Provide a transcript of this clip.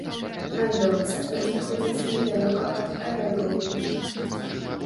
Гандлёвы цэнтр знаходзіцца недалёка ад аэрадрому.